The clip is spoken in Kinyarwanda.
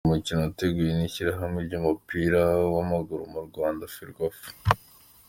Ni umukino wateguwe n’Ishyirahamwe ry’umupira w’Amaguru mu Rwanda, Ferwafa.